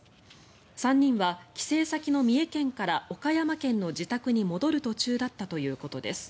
３人は帰省先の三重県から岡山県の自宅に戻る途中だったということです。